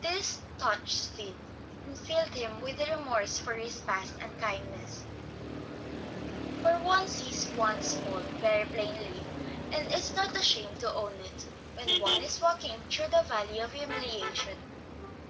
This touched Sid, and filled him with remorse for past unkindness; for one sees one's faults very plainly, and is not ashamed to own it, when one is walking through the Valley of Humiliation.